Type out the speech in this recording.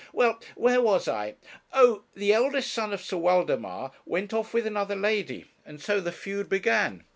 'Well, where was I? Oh! the eldest son of Sir Waldemar went off with another lady and so the feud began.